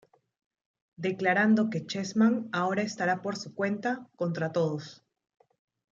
Declarando que Chessman ahora estará por su cuenta, contra todos.